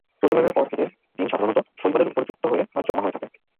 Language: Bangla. প্রজননের পর এদের ডিম সাধারণত শৈবালের উপর যুক্ত হয়ে বা জমা হয়ে থাকে।